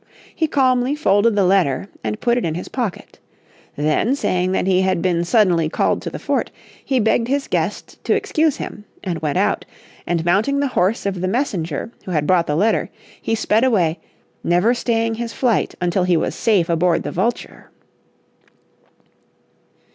He calmly folded the letter, and put it in his pocket. Then saying that he had been suddenly called to the fort, he begged his guests to excuse him, and went out, and mounting the horse of the messenger who had brought the letter, he sped away, never staying his flight until he was safe aboard the Vulture.